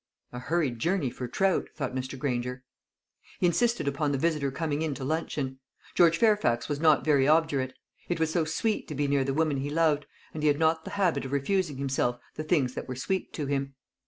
"A hurried journey for trout," thought Mr. Granger. He insisted upon the visitor coming in to luncheon. George Fairfax was not very obdurate. It was so sweet to be near the woman he loved, and he had not the habit of refusing himself the things that were sweet to him.